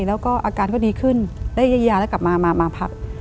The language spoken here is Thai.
แล้วก็อาการก็ดีขึ้นได้ยาแล้วกลับมาพัก